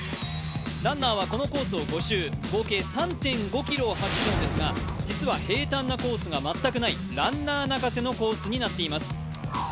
ランナーはこのコースを５周、合計３．５ｋｍを走るんですが、実は平たんなコースが全くないランナー泣かせのコースになっています。